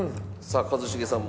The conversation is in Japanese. さあ一茂さん